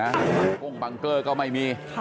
แบรีเออร์ก็ไม่มีนะโก้งบังเกอร์ก็ไม่มี